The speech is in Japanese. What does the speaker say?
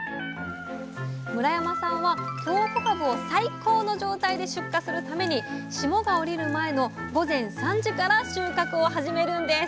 村山さんは京こかぶを最高の状態で出荷するために霜が降りる前の午前３時から収穫を始めるんです。